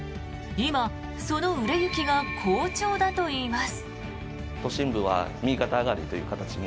今、その売れ行きが好調だといいます。